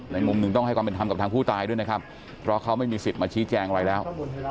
มุมหนึ่งต้องให้ความเป็นธรรมกับทางผู้ตายด้วยนะครับเพราะเขาไม่มีสิทธิ์มาชี้แจงอะไรแล้ว